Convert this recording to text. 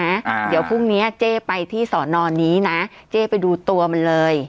อ่าเดี๋ยวพรุ่งเนี้ยเจ๊ไปที่สอนอนนี้นะเจ๊ไปดูตัวมันเลย